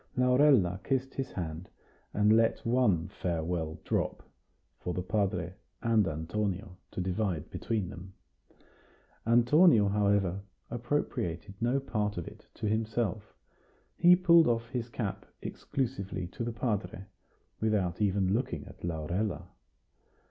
Laurella kissed his hand, and let one farewell drop, for the padre and Antonio to divide between them. Antonio, however, appropriated no part of it to himself; he pulled off his cap exclusively to the padre, without even looking at Laurella.